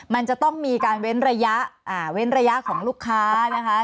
มันจะต้องมีการเว้นระยะเว้นระยะของลูกค้านะคะ